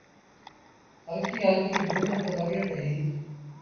هلڪيٚ هلڪي بوند با لڳي پئيٚ